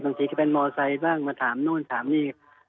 สีจะเป็นมอไซค์บ้างมาถามนู่นถามนี่